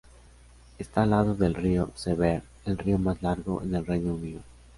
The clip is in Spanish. Está al lado del Río Severn, el río más largo en el Reino Unido.